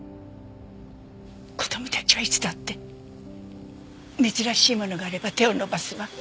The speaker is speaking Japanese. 子供たちはいつだって珍しいものがあれば手を伸ばすわ。